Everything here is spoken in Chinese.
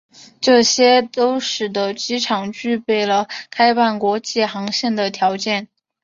这些都使得机场具备了开办国际航线的条件。